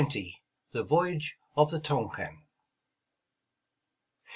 THE VOYAGE OF THE TONQUIN.